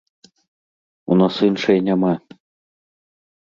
У нас іншай няма.